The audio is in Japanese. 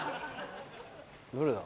どれだ？